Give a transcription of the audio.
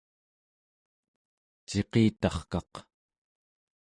ciqitarkaq